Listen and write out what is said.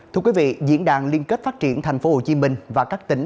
thưa quý vị diễn đàn liên kết phát triển thành phố hồ chí minh và các tỉnh